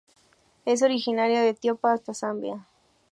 Es originaria de Etiopía hasta Zambia.